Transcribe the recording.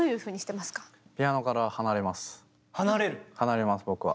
離れます僕は。